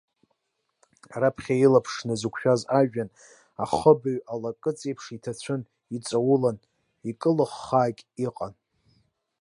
Раԥхьа илаԥш назықәшәаз ажәҩан, ахыбаҩ алакыҵа аиԥш иҭацәын, иҵаулан, икылыххагьы иҟан.